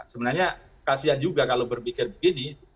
sebenarnya kasian juga kalau berpikir begini